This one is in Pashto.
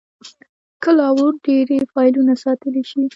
کلاوډ ډېری فایلونه ساتلی شي.